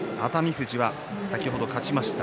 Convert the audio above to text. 富士は先ほど勝ちました。